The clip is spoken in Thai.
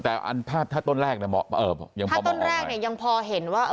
แต่ถ้าต้นแรกเนี่ยยังพอเห็นว่า